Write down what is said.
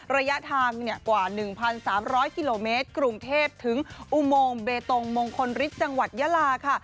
ระยะทางเนี่ยกว่าหนึ่งพันสามร้อยกิโลเมตรกรุงเทพถึงอุโมงเบตงมงคลฤทธิ์จังหวัดยาลาค่ะ